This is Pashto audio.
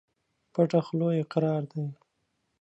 پټه خوله اقرار دى.